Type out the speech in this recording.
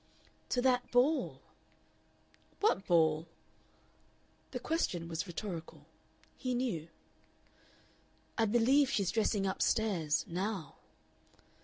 "To that ball." "What ball?" The question was rhetorical. He knew. "I believe she's dressing up stairs now."